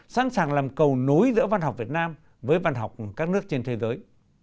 sẵn sàng làm cầu nối giữa văn học việt nam với văn học các nước trên thế giới